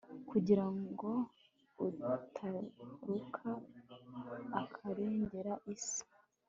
Kugira ngo atagaruka akarengera isi